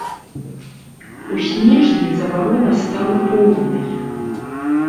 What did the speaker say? У снежні забарона стала поўнай.